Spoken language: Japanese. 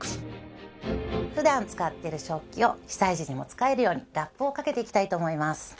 普段使っている食器を被災時にも使えるようにラップをかけていきたいと思います。